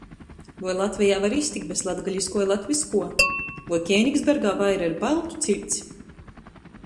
Voi Latvejā var iztikt bez latgaliskuo i latvyskuo? Voi Kēnigsbergā vaira ir baltu ciļts?